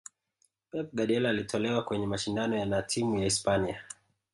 pep guardiola alitolewa kwenye mashindano na timu za hispania